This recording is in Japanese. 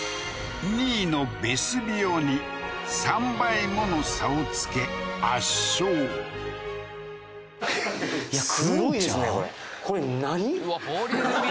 ２位のベスビオに３倍もの差をつけ圧勝すごいですね